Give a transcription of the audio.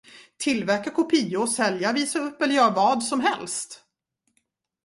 Tillverka kopior, sälja, visa upp eller göra vad som helst.